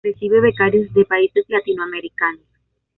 Recibe becarios de países latinoamericanos.